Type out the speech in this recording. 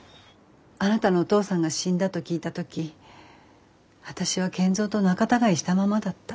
あなたのお父さんが死んだと聞いた時私は賢三と仲たがいしたままだった。